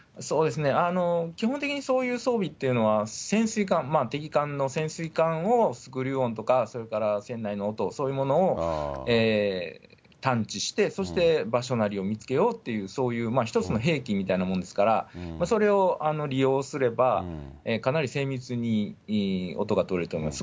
基本的にそういう装備というのは、潜水艦、敵艦の潜水艦を、スクリュー音とか、それから船内の音、そういうものを探知して、そして場所なりを見つけようという、そういう一つの兵器みたいなもんですから、それを利用すれば、かなり精密に音が取れると思います。